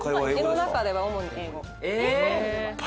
家の中では主に英語。